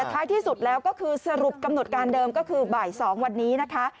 ท้ายที่สุดแล้วก็คือสรุปกำหนดการเดิมก็คือบ่าย๒วันนี้นะคะ